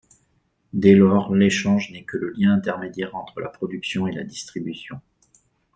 Dès lors l'échange n'est que le lien intermédiaire entre la production et la distribution.